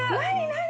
何？